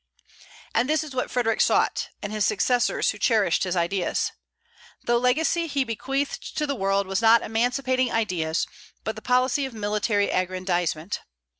And this is what Frederic sought, and his successors who cherished his ideas. The legacy he bequeathed to the world was not emancipating ideas, but the policy of military aggrandizement.